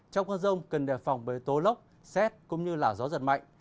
trong khu vực rông cần đề phòng với tố lốc xét cũng như là gió giật mạnh